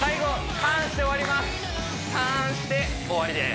ターンして終わりです